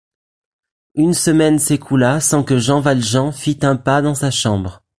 Une semaine s’écoula sans que Jean Valjean fît un pas dans sa chambre.